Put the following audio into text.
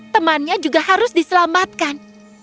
temannya juga harus diselamatkan